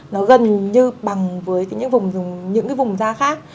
nó gần như bằng với những cái vùng da khác